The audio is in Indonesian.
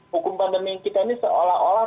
hukum pandemi kita ini seolah olah